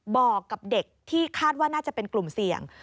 บอกกับเด็กที่คาดว่าน่าจะเป็นกลุ่มเสี่ยง